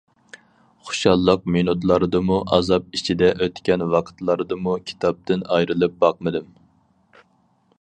خۇشاللىق مىنۇتلاردىمۇ، ئازاب ئىچىدە ئۆتكەن ۋاقىتلاردىمۇ كىتابتىن ئايرىلىپ باقمىدىم.